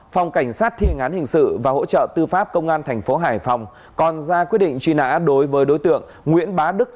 phòng cảnh sát thiện án hình sự và hỗ trợ tư pháp công an thành phố hải phòng còn ra quyết định truy nã đối với đối tượng nguyễn bá đức